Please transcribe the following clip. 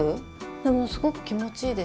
でもすごく気持ちいいです。